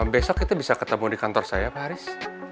besok kita bisa ketemu di kantor saya pak haris